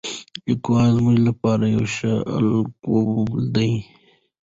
لیکوال زموږ لپاره یو ښه الګو دی.